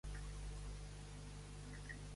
Joe ingresa al club Glee.